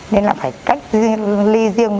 nên là phải cách ly riêng